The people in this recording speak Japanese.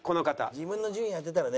自分の順位当てたらね